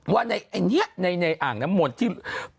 ว่าในอังนั้นหมดที่